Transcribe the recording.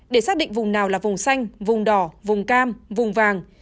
để xác định vùng nào là vùng xanh vùng đỏ vùng cam vùng vàng